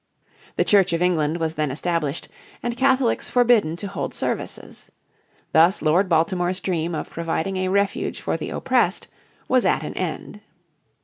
The Church of England was then established, and Catholics forbidden to hold services. Thus Lord Baltimore's dream of providing a refuge for the oppressed was at an end.